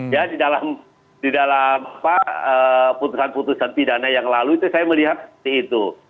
ya di dalam putusan putusan pidana yang lalu itu saya melihat seperti itu